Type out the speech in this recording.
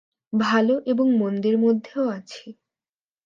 ভালো এবং মন্দের মধ্যেও আছি।